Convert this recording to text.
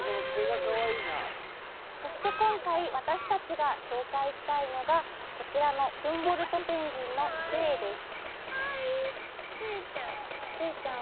そして今回私達が紹介したいのがこちらのフンボルトペンギンのくえです